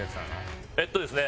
えっとですね